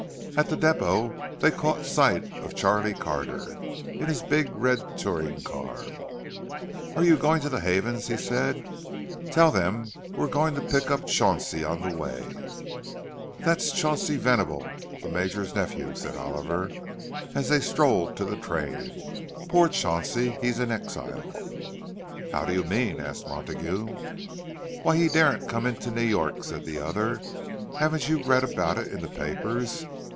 At the depot they caught sight of Charlie Carter, in his big red touring car. "Are you going to the Havens's?" he said. "Tell them we're going to pick up Chauncey on the way." "That's Chauncey Venable, the Major's nephew," said Oliver, as they strolled to the train. "Poor Chauncey—he's in exile!" "How do you mean?" asked Montague. "Why, he daren't come into New York," said the other. "Haven't you read about it in the papers?